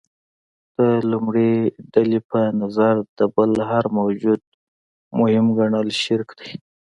د لومړۍ ډلې په نظر د بل هر موجود مهم ګڼل شرک دی.